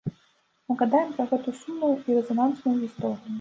Нагадаем пра гэту сумную і рэзанансную гісторыю.